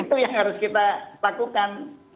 itu yang harus kita lakukan